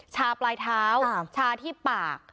ปลายเท้าชาที่ปาก